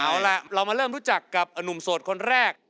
เอาล่ะเรามาเริ่มรู้จักกับหนุ่มโสดคนแรก